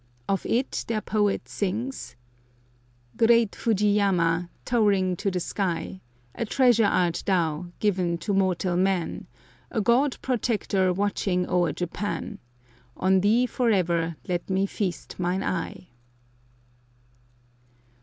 Of it their poet sings: "Great Fusiyama, tow'ring to the sky. A treasure art thou, giv'n to mortal man, A god protector watching o'er Japan: On thee forever let me feast mine eye."